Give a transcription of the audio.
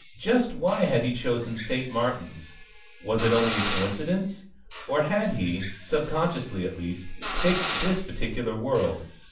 Just why had he chosen St. Martin's? Was it only a coincidence? Or had he, subconsciously at least, picked this particular world?